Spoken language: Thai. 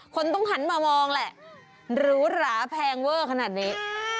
คนต้องหันมามองแหละหรูหราแพงเวอร์ขนาดนี้